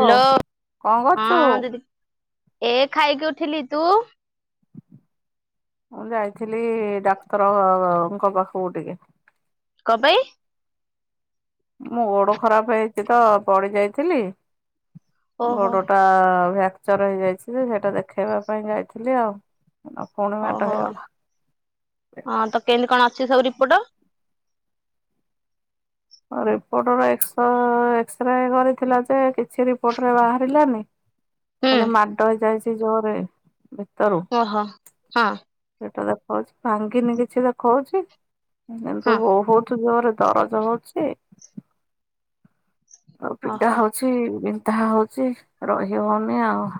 ଓ hello କଣ କରୁଛୁ? ହଁ ଦିଦି ଏ ଖାଇକି ଉଠିଲି ତୁ? ମୁଁ ଯାଇଥିଲି ଡାକ୍ତରଙ୍କ ପାଖକୁ ଟିକେ। କ ପାଇଁ? ମୁଁ ଗୋଡ ଖରାପ ହେଇଚି ତ ପଡି ଯାଇଥିଲି। ଓହୋ ଗୋଡ ଟା ଭ ଚର ହେଇଯାଇଛି ସେଇଟା ଦେଖେଇବା ପାଇଁ ଯାଇଥିଲି ଆଉ। ପୁଣି ମାଡ ଓହୋ ହେଇଗଲା। ହ ତ କେମିତି କଣ ଅଛି ସବୁ ରିପୋର୍ଟ। [unintelligible] ରିପୋର୍ଟ ର ଏକ୍ସରେ କରିଥିଲା ଯେ କିଛି ରିପୋର୍ଟରେ ବାହାରିଲାନି। ହୁଁ ଖାଲି ମାଡ ହେଇଯାଇଛି ଜୋରେ ଭିତରୁ। ଓହୋ ହଁ। ସେଟା ଦେଖାଉଛି ଭାଙ୍ଗିନି କିଛି ଦେଖଉଛି ହଁ କିନ୍ତୁ ବହୁତୁ ଜୋର ଦରଜ ହଉଚି। ଆଉ ପିଣ୍ଡା ଓହୋ ହଉଚି ବିନ୍ଧା ହଉଚି ରହି ହଉନି ଆଉ।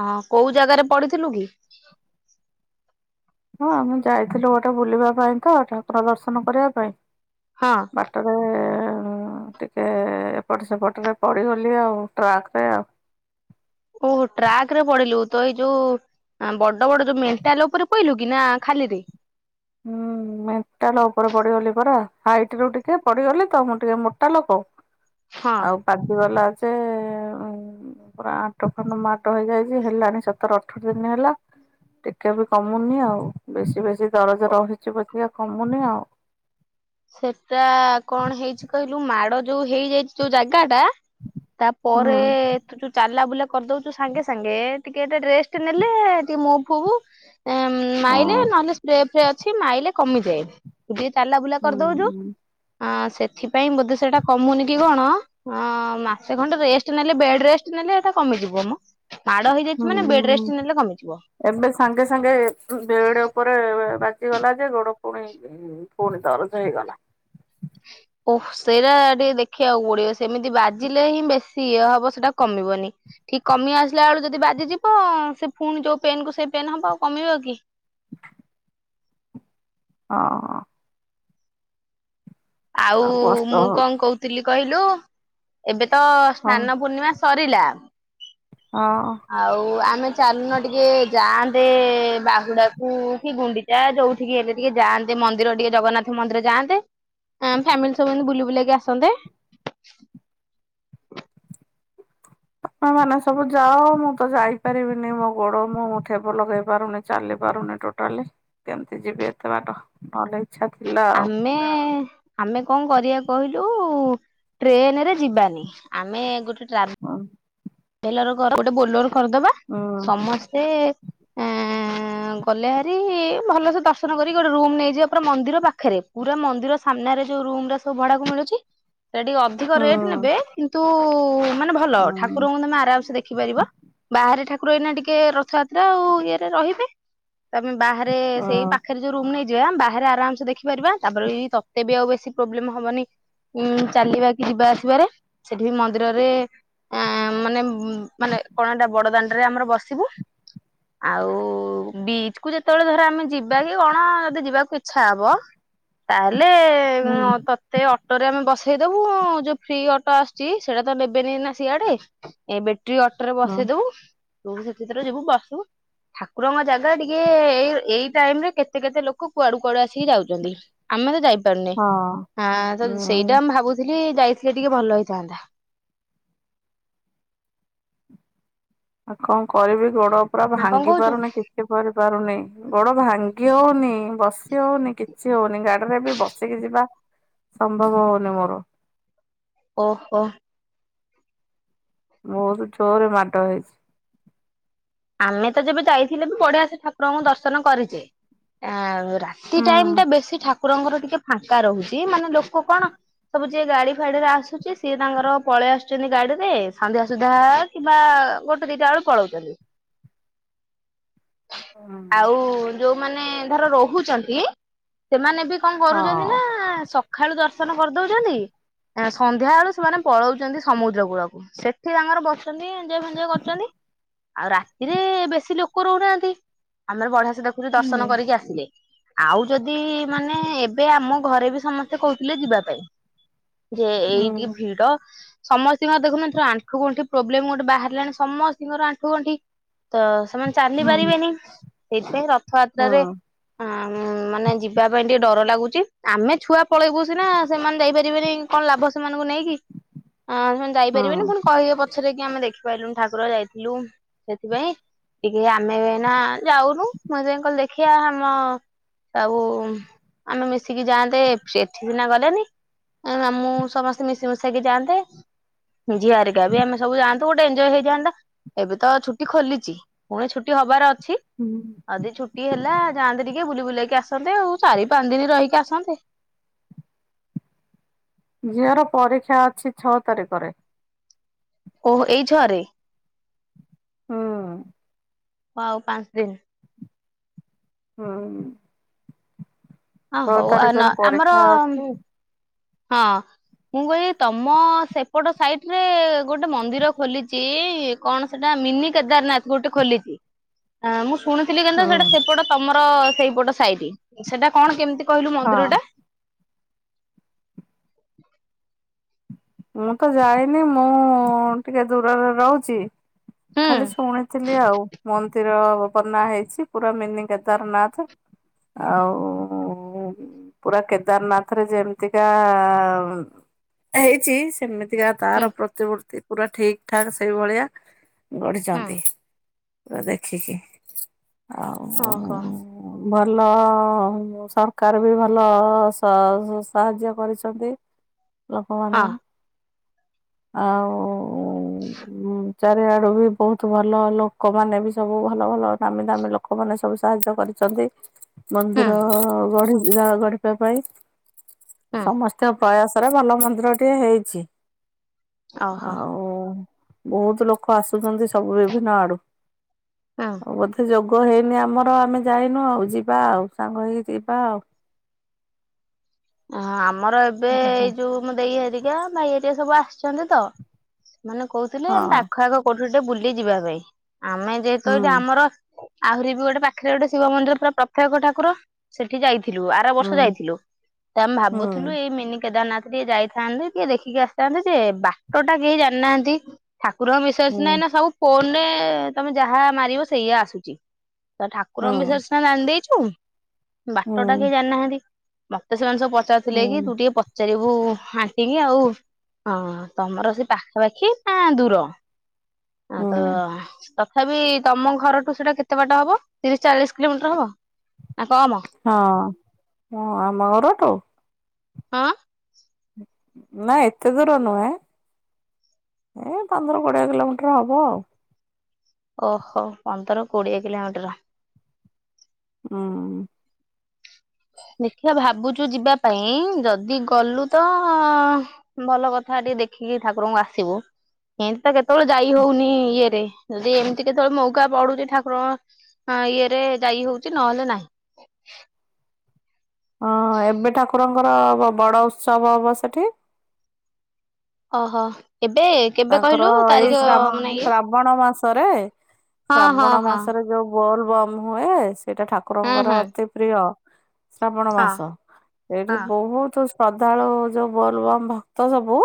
ଅ କୋଉ ଜାଗାରେ ପଡିଥିଲୁ କି? ହଁ ଆମେ ଯାଇଥିଲୁ ଗୋଟେ ବୁଲିବା ପାଇଁ ତ ଠାକୁର ଦର୍ଶନ କରିବା ପାଇଁ ହଁ ବାଟ [unintelligible] ଟିକେ ଏପଟ ସେପଟରେ ପଡିଗଲି ଆଉ ଟ୍ରାକରେ ଆଉ। ଓହ ଟ୍ରାକ୍ ରେ ପଡିଲୁ ତ ଏଇ ଯୋଉ ବଡ଼-ବଡ଼ ଯୋଉ ମେଣ୍ଟାଲ୍ ଉପରେ ପହିଲୁ କି ନା ଖାଲିରେ? ହୁଁ ମେଣ୍ଟାଲ ଉପରେ ପଡିଗଲି ପରା ହାଇଟ ରୁ ଟିକେ ପଡିଗଲି ତ ମୁଁ ଟିକେ ମୋଟା ଲୋକ ହଁ। ଆଉ ପାଜିବାଲା ଅଛେ [unintelligible] ପୁରା ଆଣ୍ଟ ଫଣ୍ଡ ମାଟ ହେଇଯାଇଛି ହେଲାଣି ସତର ଅଠର ଦିନ ହେଲା। ଟିକେ ବି କମୁନି ଆଉ ବେଶୀ-ବେଶୀ ଦରଜ ରହିଚି [unintelligible] କମୁନି ଆଉ। ସେଟା କଣ ହେଇଚି କହିଲୁ ମାଡ ଯୋଉ ହେଇଯାଇଚି ଯୋଉ ଜାଗା ଟା ହୁଁ ତାପରେ [unintelligible] ଚାଲା ବୁଲା କରିଦଉଛୁ ସାଙ୍ଗେ-ସାଙ୍ଗେ ଟିକେ ରେଷ୍ଟ ନେଲେ ଟିକେ ମୋ ଫୁବୁ ହଁ ମାଇଲେ ନହଲେ ସ୍ପ୍ରେ ଫ୍ରେ ଅଛି ମାଇଲେ କମିଯାଏ ଯିଏ [unintelligible] ହୁଁ କରିଦଉଛୁ ଆ ସେଥିପାଇଁ ବୋଧେ ସେଟା କମୁନି କି କଣ ହଁ ମାସେ ଖଣ୍ଡେ ରେଷ୍ଟ ନେଲେ ବେଡ୍ ରେଷ୍ଟ ନେଲେ ଏଟା କମିଯିବ ମ। ମାଡ ହେଇଯାଇଚି ମାନେ ବେଡ୍ ହୁଁ ରେଷ୍ଟ ନେଲେ କମିଯିବ। ଏବେ ସାଙ୍ଗେ-ସାଙ୍ଗେ ବେଡ୍ ଉପରେ ବାଜିଗଲା ଯେ ଗୋଡ ପୁଣି ହୁଁ ପୁଣି ଦରଜ୍ ହେଇଗଲା। ଓହ। ସେଇଟା ଟିକେ ଦେଖିଆକୁ ପଡିବ, ସେମିତି ବାଜିଲେ ହିଁ ବେଶୀ ଇଏ ହବ ସେଟା କମିବନି। ଠିକ୍ କମି ଆସିଲା ବେଳୁ ଯଦି ବାଜିଯିବ ସେ ପୁଣି ଯୋଉ ପେନ୍ କୁ ସେଇ ପେନ୍ ହବ ଆଉ କମିବ କି। ହଁ। ଆଉ କଷ୍ଟ ମୁଁ ହଉଛି କଣ କହୁଥିଲି କହିଲୁ, ଏବେ ତ ହଁ ସ୍ନାନ ପୂର୍ଣ୍ଣିମା ସରିଲା। ହଁ। ଆଉ ଆମେ ଚାଲୁନ ଟିକେ ଯାଆନ୍ତେ ବାହୁଡାକୁ କି ଗୁଣ୍ଡି ଚା ଯୋଉଠିକି ହେଲେ ଟିକେ ଯାଆନ୍ତେ ମନ୍ଦିର ଟିକେ ଜଗନ୍ନାଥ ମନ୍ଦିର ଯାଆନ୍ତେ। ଆମ ଫ୍ୟାମିଲି ସବୁ ଏନ୍ତି ବୁଲି ବୁଲେଇକି ଆସନ୍ତେ। ତମେ ମାନେ ସବୁ ଯାଅ ମୁଁ ତ ଯାଇପାରିବିନି ମୋ ଗୋଡ ମୁଁ [unintelligible] ଲଗେଇ ପାରୁନି। ଚାଲି ପାରୁନି ଟୋଟାଲି କେମ୍ତି ଯିବି ଏତେ ବାଟ ନଲେ [inaudible] ଆମେ ଆମେ କଣ କରିଆ କହିଲୁ ଟ୍ରେନରେ ଯିବାନି, ଆମେ ଗୋଟେ ଟ୍ରା ହଁ। ଭେଲର ଗୋଟେ ବୋଲର କରିଦବା, ହୁଁ ସମସ୍ତେ ଏଁ ଗଲେ ହାରି ଭଲସେ ଦର୍ଶନ କରିକି ଗୋଟେ ରୁମ୍ ନେଇଯିବା ପୁରା ମନ୍ଦିର ପାଖେରେ, ପୁରା ମନ୍ଦିର ସାମ୍ନାରେ ଯୋଉ ରୁମ୍ ରା ସବୁ ଭଡାକୁ ମିଳୁଚି ସେ ଟିକେ ଅଧିକ ରେଟ୍ ହୁଁ ନେବେ କିନ୍ତୁ ମାନେ ଭଲ, ହୁଁ ଠା ତମେ ଆରାମସେ ଦେଖିପାରିବ, ବାହାରେ ଠାକୁର ଏଇନା ଟିକେ ରଥଯାତ୍ରା ଆଉ ଇଏରେ ରହିବେ। ତମେ ବାହାରେ ସେଇ ହୁଁ ପାଖେ ରେ ଯୋଉ ରୁମ୍ ନେଇଯିବା, ବାହାରେ ଆରାମ୍ସେ ଦେଖିପାରିବା ତାପରେ ବି ତତେ ବି ଆଉ ବେଶୀ ପ୍ରୋବ୍ଲେମ୍ ହବନି ଉଁ ଚାଲିବା କି ଯିବା ଆସିବାରେ, ସେଠି ବି ମନ୍ଦିରରେ ମାନେ-ମାନେ [unintelligible] ବଡ ଦାଣ୍ଡରେ ଆମର ବସିବୁ। ଆଉ ବିଚ୍ କୁ ଯେତବଳେ ଧର ଆମେ ଯିବା କି କଣ ଯଦି ଯିବାକୁ ଇଚ୍ଛା ହବ ତାହେଲେ ହୁଁ ତତେ ଅଟୋ ରେ ଆମେ ବସେଇଦବୁ ଯୋଉ ଫ୍ରି ଅଟ ଆସୁଚି ସେଇଟା ତ ନେବେନି ନା ସିଆଡେ ଏ ବେଟ୍ରୀ ଅଟୋ ରେ ବସେଇ ଦବୁ, ତୁ ସେଠି ଯିବୁ ବସିବୁ। ଠାକୁରଙ୍କ ଜାଗା ଟିକେ ଏଇ-ଏଇ ଟାଇମ୍ ରେ କେତେ-କେତେ ଲୋକ କୁଆଡୁ-କୁଆଡୁ ଆସିକି ଯାଉଚନ୍ତି। ଆମେ ତ ଯାଇପାରୁନେ, ହଁ ଆଁ ତ ହୁଁ ସେଇଟା ମୁ ଭାବୁଥିଲି ଯାଇଥିଲେ ଟିକେ ଭଲ ହେଇଥାନ୍ତା ଆଉ କଣ କରିବି ଗୋଡ ପୁରା ନା କଣ ଭାଙ୍ଗି କହୁଛୁ? ପାରୁନି କି ଛି କରି ପାରୁନି ଗୋଡ ଭାଙ୍ଗି ହଉନି ବସି ହଉନି କିଛି ହଉନି ଗାଡିରେ ବି ବସିକି ଯିବା ସମ୍ଭବ ହଉନି ମୋର। ଓହୋ। ବହୁତୁ ଜୋରେ ମାଡ ହେଇଚି। ଆମେ ତ ଯେବେ ଯାଇଥିଲେ ବି ବଢିଆ ସେ ଠାକୁରଙ୍କୁ ଦର୍ଶନ କରିଚେ, ଆଁ ରାତି ଟାଇମ୍ ହଁ ଟା ବେଶୀ ଠାକୁରଙ୍କର ଟିକେ ଫାଙ୍କା ରହୁଚି, ମାନେ ଲୋକ କଣ ସବୁ ଯିଏ ଗାଡି ଫାଡିରେ ଆସୁଚି ସିଏ ତାଙ୍କର ପଳେଇ ଆସୁଚନ୍ତି ଗାଡିରେ, ସନ୍ଧ୍ୟା ସୁଦ୍ଧା କିମ୍ବା ଗୋଟେ ଦିଟା ବେଳୁକୁ ପାଳୋଉଚନ୍ତି। ଆଉ ଯୋଉମାନେ ଧର ରହୁଚନ୍ତି, ସେମାନେ ବି କଣ କରୁଚନ୍ତି ନା ହଁ ସଖାଳୁ ଦର୍ଶନ କରିଦଉଚନ୍ତି ସନ୍ଧ୍ୟା ବେଳୁ ସେମାନେ ପ‌ଳୋଉଚନ୍ତି ସମୁଦ୍ର କୂଳକୁ। ସେଠି ତାଙ୍କର ବସଚନ୍ତି ଏଞ୍ଜୟ ଫେଞ୍ଜୟ କରୁଚନ୍ତି, ଆଉ ରା ରେ ବେଶୀ ଲୋକ ରହୁନାହାନ୍ତି ଆମର ବଢିଆ ସେ ଦେଖୁଛୁ ହୁଁ ଦର୍ଶନ କରିକି ଆସିଲେ। ଆଉ ଯଦି ମାନେ ଏବେ ଆମ ଘରେ ବି ସମସ୍ତେ କହୁଥିଲେ ଯିବା ପାଇଁ। ଯେ ହୁଁ ଏଇଠି ଭିଡ଼ ସମସ୍ତଙ୍କୁ ଦେଖୁନାହାନ୍ତି ଆଣ୍ଠୁ ଗଣ୍ଠି ପ୍ରୋବ୍ଲେମ ଗୋଟେ ବାହାରିଲାଣି ସମସ୍ତଙ୍କର ଆଣ୍ଠୁ ଗଣ୍ଠି ତ ସେମାନେ ଚାଲି ପାରିବେନି ସେଇଥିପାଇଁ ରଥଯାତ୍ରରେ ହୁଁ ଆଁ ମାନେ ଯିବା ପାଇଁ ଟିକେ ଡର ଲାଗୁଛି ଆମେ ଛୁଆ ପଳେଇବୁ ସିନା ସେମାନେ ଯାଇପାରିବେନି କଣ ଲାଭ ସେମାନଙ୍କୁ ନେଇକି। [inaudible] ହଁ ସେମାନେ ଯାଇପାରିବେନି ପୁଣି କହିବେ ପଛରେ କି ଆମେ ଦେଖିପାରିଲୁନୁ ଠାକୁର ଯାଇଥିଲୁ। ସେଥିପାଇଁ ଟିକେ ଆମେ ଏନା ଯାଉନୁ ମୁଁ ଯାଇ କହିଲି ଦେଖିବା ଆମ। ଆଉ ଆମେ ମିଶିକି ଯାଆନ୍ତେ ଏଠି ସିନା ଗଲେନି। ଆମେ ମୁଁ ସମସ୍ତେ ମିଶି ମିଶକେ ଯାଆନ୍ତେ। ଝିଆରିକା ବି ଆମେ ସବୁ ଯାଆନ୍ତୁ ଗୋଟ ଏଞଜୟ ହେଇଥାନ୍ତା। ତ ଛୁଟି ଖୋଲିଛି ପୁଣି ଛୁଟି ହବାର ଅଛି। ହୁଁ ଆଦି ଛୁଟି ହେଲା ଯାଆନ୍ତେ ଟିକେ ବୁଲି ବୁଲେଇକି ଆସନ୍ତେ ଆଉ ଚାରି ପାଞ୍ଚ ଦିନ ରହିକି ଆସନ୍ତେ। ଝିଅ ର ପରୀକ୍ଷା ଅଛି ଛଅ ତାରିଖରେ। ଓହୋ ଏଇ ଛଅରେ? ହୁଁ ଆଉ ପାଞ୍ଚ ଦିନ ହୁଁ ହଁ ଛଅ ହଉ ଆ ତାରିଖରେ ଆମର ପରୀକ୍ଷା ଅଛି ହଁ ମୁଁ କହିଲି ତମ ସେପଟ ସାଇଟ ରେ ଗୋଟେ ମନ୍ଦିର ଖୋଲିଛି। କଣ ସେଟା ମିନି କେଦାରନାଥ ଗୋଟେ ଖୋଲିଛି। [inaudible] ହଁ ମୁଁ ଶୁଣିୁଥିଲି କେନ୍ତୁ ହୁଁ ସେଟା ସେପଟ ତମର ସେଇପଟ ସାଇଟ୍ ସେଟା କଣ କେମିତି? କହିଲୁ ହଁ ମନ୍ଦିର ଟା [inaudible] ମୁଁ ତ ଯାଇନି ମୁଁ ଟିକେ ଦୂରରେ ରହୁଛି। ହୁଁ ଖାଲି ଶୁଣିଥିଲି ଆଉ ମନ ଯୋଉ ବନା ହେଇଚି ପୁରା ମିନି କେଦାରନାଥ ଆଉ ପୁରା କେଦାରନାଥ ରେ ଯେମିତିକା ହେଇ ଛି ସେମିତିକା ହୁଁ ତାର ପ୍ରତିମୂର୍ତ୍ତି ପୁରା ଠିକ୍ ଠାକ୍ ସେଇ ଭଳିଆ ହୁଁ ଗଢ଼ିଛନ୍ତି ପୁରା ଦେଖିକି ଆଉ ଓହୋ ଭଲ ସରକାର ବି ଭଲ ସାହାଯ୍ୟ କରିଛନ୍ତି ଲୋକମାନ ହଁ ଆଉ ହ [inaudible] ଚାରିଆଡ଼ୁ ବି ବହୁତ ଭଲ ଲୋକମାନେ ବି ସବୁ ଭଲ ଭଲ ଦାମୀ ଦାମୀ ଲୋକମାନେ ସବୁ ସାହାଯ୍ୟ କରିଛନ୍ତି। [inaudible] ହୁଁ ମନ୍ଦିର ଗଢ଼ିବ ଗଢ଼ିବା ପାଇଁ ହୁଁ ସମସ୍ତେ ପ୍ରୟାସ ଭଲ ମନ୍ଦିର ଟେ ହେଇଛି ଓହୋ ଆଉ ବହୁତ ଲୋକ ଆସୁଛନ୍ତି ସବୁ ବିଭିନ୍ନ ଆଡ଼ୁ। ହଁ ବୋଧେ ଯୋଗ ହେଇନି ଆମର ଆମେ ଯାଇନୁ ଆଉ ଯିବା ଆଉ ସାଙ୍ଗ ହେଇକି ଯିବା ଆଉ। ଆମର ଏବେ ଏଇ ଓହୋ ଯୋଉ ମୁଁ ଦେଇ ହରିକା ଭାଇ ହରୀକା ସବୁ ଆସିଛନ୍ତିତ। ମାନେ କହୁଥିଲେ ହଁ ଆମ ପାଖ ଆଖ କୋଉଠି ଟିକେ ବୁଲି ଯିବା ପାଇଁ ଆମେ ଯେହେତୁ ହୁଁ ଏଇଟି ଆମର ଆହୁରି ବି ଗୋଟେ ପାଖରେ ଗୋଟେ ଶିବ ମନ୍ଦିର ପୁରା ପ୍ରତ୍ୟେକ ଠାକୁର ସେଠି ଯାଇଥିଲୁ ଆର ବର୍ଷ ହୁଁ ଯାଇଥିଲୁ ତ ଆମେ ଭାବୁଥିଲୁ ମିନି କେଦାରନାଥ ଟିକେ ଯାଇଥାନ୍ତେ ଟଏ ଦେଖିକି ଆସିଥାନ୍ତେ ଯେ ବାଟ ଟା କେହି ଜାଣିନାହାନ୍ତି ଠାକୁରଙ୍କ ବିଷୟସ ହୁଁ ହୁଁ ନହିଁ ନା ସବୁ ଫୋନରେ ତମେ ଯାହା ମାରିବ ସେଇଆ ଆସୁଛି ତ ହୁଁ ଠାକୁରଙ୍କ ବିଷୟରେ ସିନା ଜାଣି ଦେଇଛୁ ହୁଁ ବାଟ ଟା କେହି ଜାଣିନାହାନ୍ତି ତ ସେମାନେ ସବୁ ପଚାରୁଥିଲେ କି ତୁ ହୁଁ ଟିକେ ପଚାରିବୁ ଆଣ୍ଟି କୁ ଆଉ ହଁ ତମର ସେ ପାଖାପାଖି ନା ଦୂର ତ ହୁଁ ତଥାପି ତମ ଘରଠୁ ସେଟା କେତେ ବାଟ ହବ ତିରିଶ ଚାଳିଶ କିଲୋମିଟର ହବ ନା କମ ହଁ ହଁ ଆମ ଘରଠୁ ହଁ ନା ଏତେ ଦୂର ନୁହେଁ ଏ ପନ୍ଦର କୋଡ଼ିଏ କିଲୋମିଟର ହବ ଆଉ ଓହୋ ପନ୍ଦର କୋଡିଏ କିଲୋମିଟର ହଁ ଦେଖିବା ଭାବୁଛୁ ଯିବା ପାଇଁ ଯଦି ଗଲୁ ତ ଭଲ କଥା ଟିକେ ଦେଖିକି ଠାକୁରଙ୍କୁ ଆସିବୁ ଏମତି ତ କେତେବେଳେ ଯାଇ ହଉନି ଇଏରେ ଯଦି ଏମିତି କେତେବେଳେ ମୌକା ପଡୁଛି ଠାକୁରଙ୍କ ହଁ ଇଏରେ ଯାଇ ହଉଛି ନହେଲେ ନାହିଁ ହଁ ଏବେ ଠାକୁରଙ୍କର ବଡ ଉତ୍ସବ ହବ ସେଠି ଓହୋ ଏବେ କେବେ ତାଙ୍କର କହିଲୁ ଏଇ ତାରିଖ ଶ୍ରା ଶ୍ରାବଣ ମାସରେ ହଁ ହଁ ଶ୍ରାବଣ ହଁ ମାସରେ ଯୋଉ ବୋଲ ବମ ହୁଏ ସେଇଟା ଠାକୁର ହୁଁ ଠାକୁରଙ୍କର ହୁଁ ଅତି ପ୍ରିୟ ଶ୍ରାବଣ ହଁ ମାସ ଏଇଠି ହଁ ବହୁତ ଶ୍ରଦ୍ଧାଳୁ ଯୋଉ ବୋଲ ବମ୍ ଭକ୍ତ ସବୁ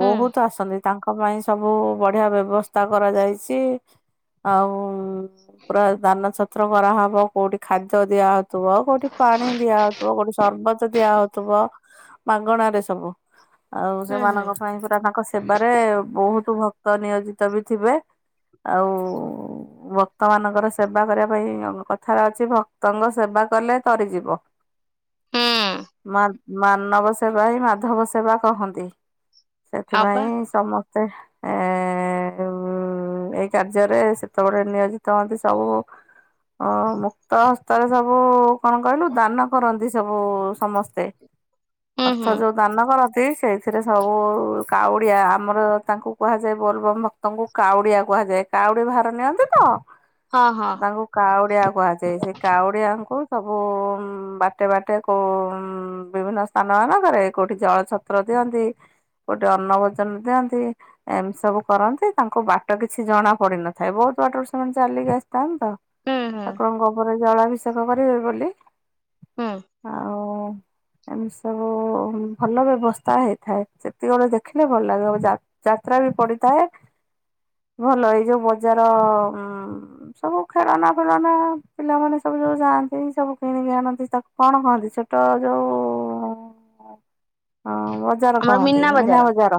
ହୁଁ ବହୁତ ଆସନ୍ତି ତାଙ୍କ ପାଇଁ ସବୁ ବଢିଆ ବ୍ୟବସ୍ଥା କରାଯାଇଛି ଆଉ ପୁରା ଦାନ ଛତ୍ର କରାହବ କୋଉଠି ଖାଦ୍ୟ ଦିଆହଉଥିବ କୋଉଠି ପାଣି ଦିଆହ ଗୋଟେ ସରବତ ଦିଆହଉଥିବ ମାଗଣାରେ ସବୁ ଆଉ ହୁଁ ହୁଁ ସେମାନଙ୍କ ପାଇଁ ପୁରା ତାଙ୍କ ବାରେ ବହୁତ ଭକ୍ତ ନିୟୋଜିତ ବି ଥିବେ ଆଉ ଭକ୍ତ ମାନଙ୍କର ସେବା କରିବା ପାଇଁ କଥାଟା ଅଛି ଭକ୍ତଙ୍କ ସେବା କଲେ ତରିଯିବ ହୁଁ [inaudible] ମାନବ ସେବା ହିଁ ମାଧବ ସେବା କହନ୍ତି ହଁ ପା ପାଇଁ ସମସ୍ତେ ଏ ଏଇ କାର୍ଯ୍ୟରେ ସେତେବେଳେ ନିୟୋଜିତ ହୁଅନ୍ତି ସବୁ ହ ମୁକ୍ତ ହସ୍ତରେ ସବୁ କଣ କହିଲୁ ଦାନ କରନ୍ତି ସବୁ ସମସ୍ତେ ହୁଁ ହୁଁ ଅର୍ଥ ଯୋଉ ଦାନ କରନ୍ତି ସେଇଥିରେ ସବୁ କାଉଡ଼ିଆ ଆମର ତାଙ୍କୁ କୁହାଯାଏ ବୋଲବମ ଭକ୍ତଙ୍କୁ କାଉଡ଼ିଆ କୁହାଯାଏ କାଉଡ଼ିଆ ଭାର ନିଅନ୍ତି ହଁ ହଁ ହଁ ତାଙ୍କୁ କାଉଡିଆ କୁହାଯାଏ ସେ କାଉଡିଆଙ୍କୁ ସବୁ ବାଟେ ବାଟେ କେଉ ବିଭିନ୍ନ ସ୍ଥାନ ମାନଙ୍କରେ କଉଠି ଜଳଛତ୍ର ଦିଅନ୍ତି କଉଠି ଅନ୍ନ ଭୋଜନ ଦିଅନ୍ତି ଏମିତି ସବୁ କରନ୍ତି ତାଙ୍କୁ ବାଟ କିଛି ଜଣା ପଡି ନଥାଏ ବହୁତ ବାଟରୁ ସେମାନେ ଚାଲିକି ଆସିଥାନ୍ତି ତ ହୁଁ ହୁଁ ଠାକୁରଙ୍କ ଉପରେ ଜଳାଭିଷେକ କରିବେ ବୋଲି ହଁ ଆଉ ଏମିତି ସବୁ ଭଲ ବ୍ୟବସ୍ଥା ହେଇଥାଏ ସେ। ସେତିକି ବେଳେ ଦେଖିଲେ ଭଲ ଲାଗିବ ଯା ଯାତ୍ରା ବି ପଡିଥାଏ। ଭଲ ଏଇ ଯୋଉ ବଜାର ଉଁ। ସବୁ ଖେଳନା ଫେଳନା ପିଲାମାନେ ସବୁ ଯୋଉ ଯାଆନ୍ତି ସବୁ କିଣିକି ଆଣନ୍ତି ତାକୁ। କଣ କହନ୍ତି ଛୋଟ ଯୋଉ ହଁ ବଜାର ଆମର କହନ୍ତି ମୀନା ମିନା ବଜାର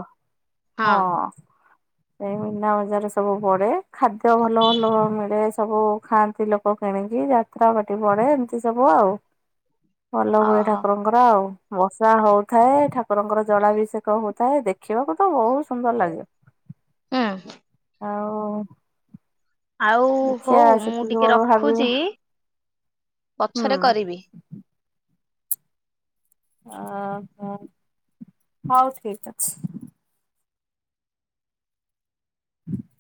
ହଁ। ସେ ମିନା ବଜାର ସବୁ ପଡେ ଖାଦ୍ୟ ଭଲ ଭଲ ମିଳେ ସବୁ ଖାଆନ୍ତି ଲୋକ କିଣିକି ଯା ତ୍ରା ପାଟି ପଡେ ଏମିତି ସବୁ ଆଉ। ଭଲ ହୁଏ ଓହୋ ଠାକୁରଙ୍କର ଆଉ ବର୍ଷା ହଉଥାଏ ଠାକୁରଙ୍କର ଜଳା ବି ସେ କହଉ ଥାଏ ଦେଖିବାକୁ ତ ବହୁତ ସୁନ୍ଦର ଲାଗେ ହୁଁ ଆଉ ଆଉ ହଉ ଦେଖିବା ମୁଁ ସେତିକି ଟିକେ ବେଳୁ ଭାବିବା ରଖୁଛି ହୁଁ। ପଛରେ କରିବି। ଅ ହ ହଉ ଠିକ୍ ଅଛି। [inaudible]